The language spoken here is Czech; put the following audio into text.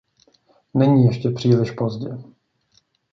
Není ještě příliš pozdě.